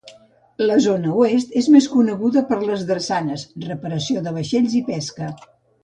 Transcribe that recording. La zona Oest és més coneguda per les drassanes, reparació de vaixells i pesca.